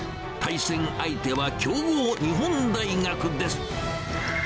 対戦相手は強豪、日本大学です。